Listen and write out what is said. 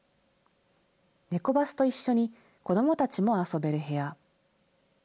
ネコバスと一緒に子どもたちも遊べる部屋。